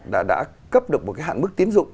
đã cấp được một cái hạn mức tín dụng